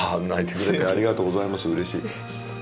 うれしい。